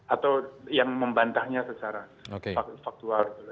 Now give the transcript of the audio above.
atau yang membantahnya secara faktual